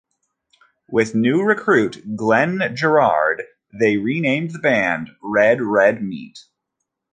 With new recruit Glenn Girard they renamed the band Red Red Meat.